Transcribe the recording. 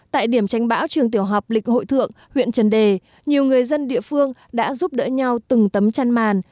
tại điểm tránh bão trường tiểu học lịch hội thượng huyện trần đề nhiều người dân địa phương đã giúp đỡ nhau từng tấm chăn màn